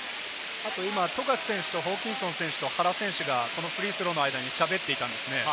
富樫選手とホーキンソン選手と原選手がフリースローの間に喋っていたんですね。